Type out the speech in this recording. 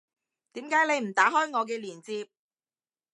點解你唔打開我嘅鏈接